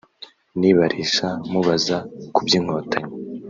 nibarisha mubaza ku by’Inkotanyi